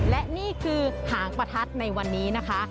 และนี่คือหางประทัดในวันนี้นะคะ